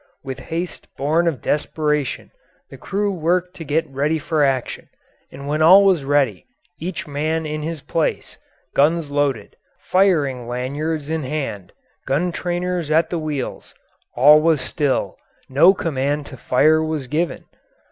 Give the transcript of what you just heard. With haste born of desperation the crew worked to get ready for action, and when all was ready, each man in his place, guns loaded, firing lanyards in hand, gun trainers at the wheels, all was still no command to fire was given.